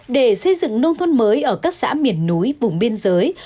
để xây dựng nông thôn mới ở các xã miền núi vùng biên giới